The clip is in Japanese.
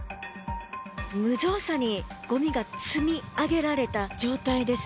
無造作にゴミが積み上げられた状態です。